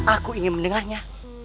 aku ingin mendengarnya